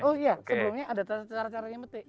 oh iya sebelumnya ada cara caranya metik